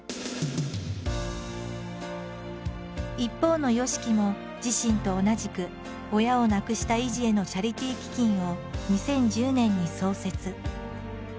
一方のＹＯＳＨＩＫＩも自身と同じく親を亡くした遺児へのチャリティー基金を２０１０年に創設。